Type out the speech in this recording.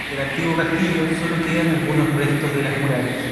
Del antiguo castillo sólo queden algunos restos de las murallas.